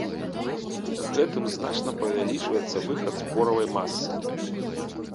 Гэтым значна павялічваецца выхад споравай масы.